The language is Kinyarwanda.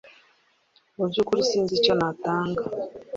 Mu byukuri sinzi icyo natanga